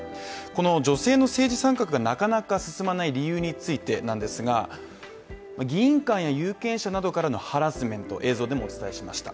この女性の政治参画がなかなか進まない理由についてなんですが、議員間や有権者などからのハラスメント映像でもお伝えしました。